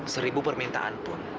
seribu permintaan pun